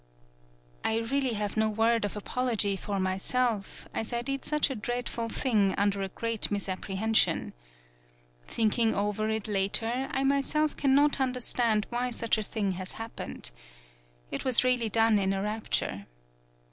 "I really have no word of apology for myself, as I did such a dreadful thing under a great misapprehension. Thinking over it later I myself cannot understand why such a thing has hap pened. It was really done in a rapture.